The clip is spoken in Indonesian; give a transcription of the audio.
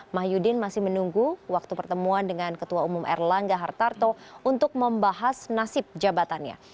mah yudin masih menunggu waktu pertemuan dengan ketua umum erlangga hartarto untuk membahas nasib jabatannya